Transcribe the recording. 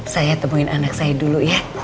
saya temuin anak saya dulu ya